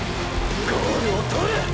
ゴールを獲る！！